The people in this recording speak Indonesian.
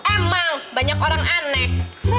emang banyak orang aneh